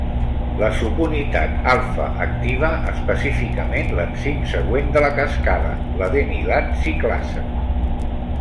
La subunitat alfa activa específicament l'enzim següent de la cascada, l'adenilat ciclasa.